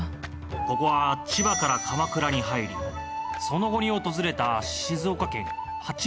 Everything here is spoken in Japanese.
ここは千葉から鎌倉に入りその後に訪れた静岡県八幡神社じゃ。